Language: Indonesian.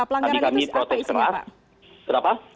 pelanggaran itu apa isinya pak